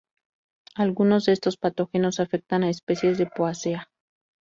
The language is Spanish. Algunos de estos patógenos afectan a especies de Poaceae.